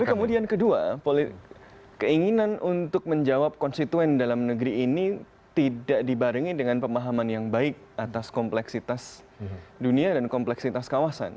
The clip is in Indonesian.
tapi kemudian kedua keinginan untuk menjawab konstituen dalam negeri ini tidak dibarengi dengan pemahaman yang baik atas kompleksitas dunia dan kompleksitas kawasan